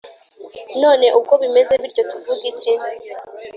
None ubwo bimeze bityo tuvuge iki